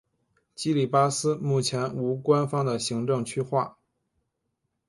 基里巴斯目前无官方的行政区划。